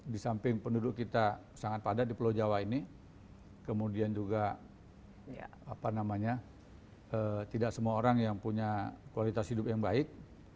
di samping penduduk kita sangat padat di pulau jawa ini kemudian juga tidak semua orang yang punya kualitas hidup yang baik